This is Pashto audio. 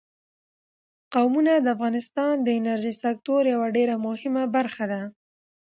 قومونه د افغانستان د انرژۍ سکتور یوه ډېره مهمه برخه ده.